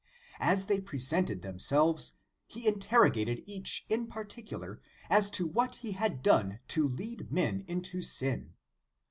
As they presented themselves, he interrogated each in particular as to what he had done to lead men into sin.